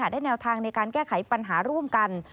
ได้แนวทางในการแก้ไขปัญหาร่วมกัน